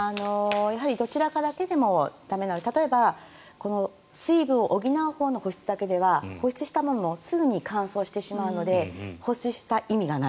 どちらかだけでも駄目なので例えば水分を補うほうの補湿だけでは補湿してもすぐに乾燥するので補湿した意味がない。